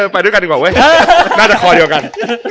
ไปด้วยกันดีกว่าเว้ยน่าจะคอเดียวกัน